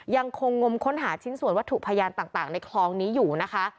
ยังคงงมค้นหาชิ้นส่วนวัตถุพยานต่างในคลองนี้อยู่นะคะ